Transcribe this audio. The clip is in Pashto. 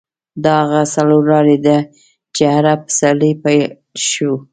دا هغه څلور لارې ده چې عرب پسرلی پیل شو.